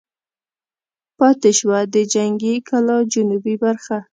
پاتې شوه د جنګي کلا جنوبي برخه.